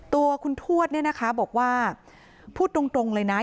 ตัวคุณทวดเนี่ยนะคะบอกว่าพูดตรงเลยนะ